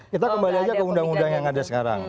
kita kembali aja ke undang undang yang ada sekarang